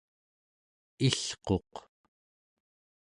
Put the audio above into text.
ilquq